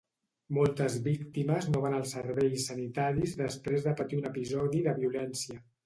Moltes víctimes no van als serveis sanitaris després de patir un episodi de violència